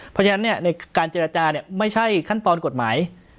เพราะฉะนั้นในการเจรจาไม่ใช่ขั้นตอนกฎหมาย